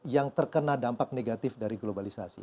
yang terkena dampak negatif dari globalisasi